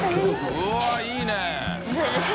うわっいいね！